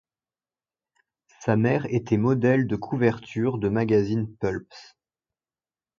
Sa mère était modèle de couvertures de magazines pulps.